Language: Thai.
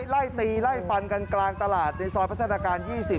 ไล่ตีไล่ฟันกันกลางตลาดในซอยพัฒนาการ๒๐